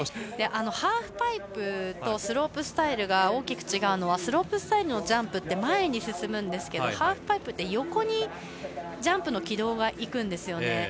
ハーフパイプとスロープスタイルが大きく違うのはスロープスタイルのジャンプって前に進むんですけどハーフパイプって横にジャンプの軌道がいくんですよね。